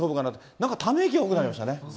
なんかため息が多くなりましたね。